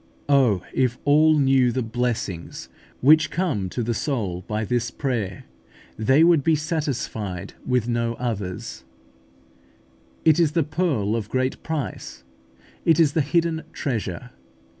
Oh, if all knew the blessings which come to the soul by this prayer, they would be satisfied with no others: it is the pearl of great price; it is the hidden treasure.